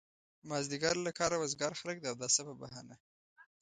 مازيګر له کاره وزګار خلک د اوداسه په بهانه.